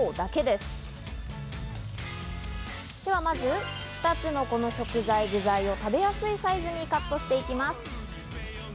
まず２つの食材、具材を食べやすいサイズにカットしていきます。